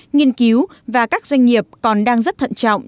nghiên cứu và các doanh nghiệp còn đang rất thận trọng